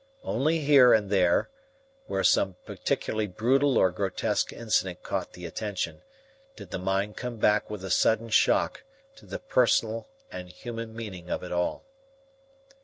Only here and there, where some particularly brutal or grotesque incident caught the attention, did the mind come back with a sudden shock to the personal and human meaning of it all.